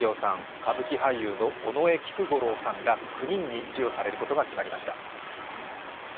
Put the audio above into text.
歌舞伎俳優の尾上菊五郎さんら９人に授与されることが決まりました。